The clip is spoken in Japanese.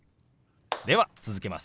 では続けます。